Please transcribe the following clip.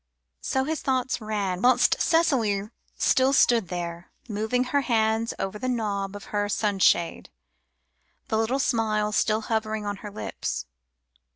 So his thoughts ran, whilst Cicely still stood there, moving her hands over the knob of her sunshade, the little smile still hovering upon her lips.